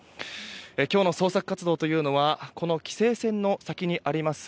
今日の捜索活動というのはこの規制線の先にあります